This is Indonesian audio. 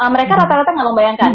mereka rata rata nggak membayangkan